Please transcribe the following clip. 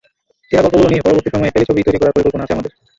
সেরা গল্পগুলো নিয়ে পরবর্তী সময়ে টেলিছবি তৈরি করার পরিকল্পনা আছে আমাদের।